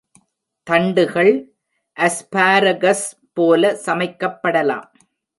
தண்டுகள் அஸ்பாரகஸ் போல சமைக்கப்படலாம்.